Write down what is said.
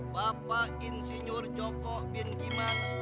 bapak insinyur joko bin giman